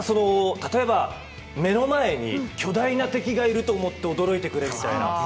例えば、目の前に巨大な敵がいると思って驚いてくれみたいな。